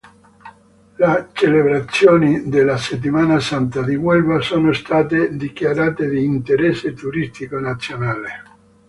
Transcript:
Le celebrazioni della Settimana Santa di Huelva sono state dichiarate di "interesse turistico nazionale".